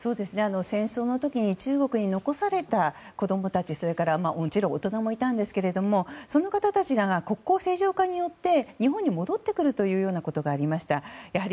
戦争の時に中国に残された子供たちそれからもちろん大人もいたんですけれどもその方たちが国交正常化によって日本に戻ってくるということがありました。